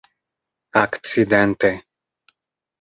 akcidente